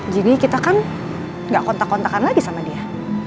jadi kita kan gak kontak kontakan lagi sama dia